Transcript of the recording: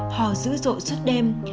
họ giữ rộn suốt đêm